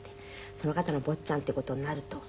その方の坊ちゃんっていう事になると。